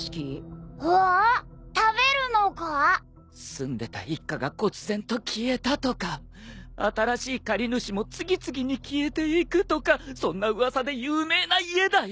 住んでた一家がこつぜんと消えたとか新しい借り主も次々に消えていくとかそんな噂で有名な家だよ。